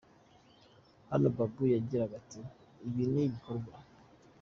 Hano Babu yagiraga ati: Ibi ni ibikorwa.